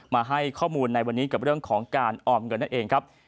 มาให้ข้อมูลในวันนี้กับเรื่องของการออมเงินนั่นเองครับ